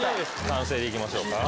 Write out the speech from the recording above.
完成でいきましょうか。